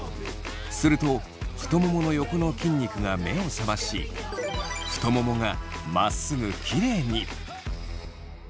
すると太ももの横の筋肉が目を覚まし太ももがまっすぐキレイに。